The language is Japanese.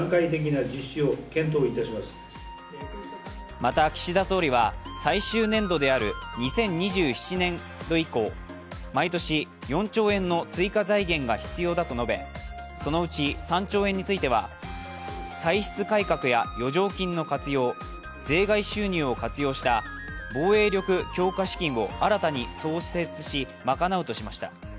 また、岸田総理は最終年度である２０２７年度以降、毎年４兆円の追加財源が必要だと述べ、そのうち３兆円については、歳出改革や余剰金の活用、税外収入を活用した防衛力強化資金を新たに創設し、賄うとしました。